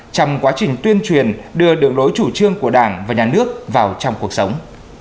trong quá trình tuyên truyền đưa đường lối chủ trương của đảng và nhà nước vào trong cuộc sống